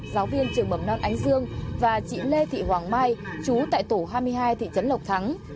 giáo viên trường mầm non ánh dương và chị lê thị hoàng mai chú tại tổ hai mươi hai thị trấn lộc thắng